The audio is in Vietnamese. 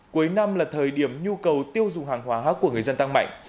cuối năm là thời điểm nhu cầu tiêu dùng hàng hóa của người dân tăng mạnh